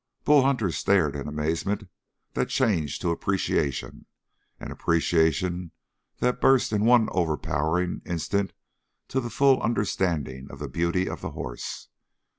Bull Hunter stared in amazement that changed to appreciation, and appreciation that burst in one overpowering instant to the full understanding of the beauty of the horse.